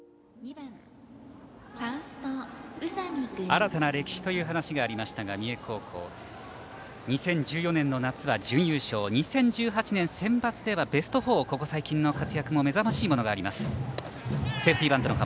新たな歴史という話がありましたが三重高校２０１４年の夏は準優勝２０１８年センバツではベスト８というここ最近の活躍も目覚ましいものがあります。